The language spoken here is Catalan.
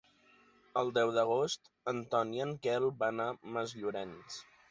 El deu d'agost en Ton i en Quel van a Masllorenç.